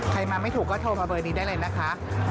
ใครมาไม่ถูกก็โทรมาเบอร์นี้ได้เลยนะคะ